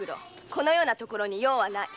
このような所に用はない。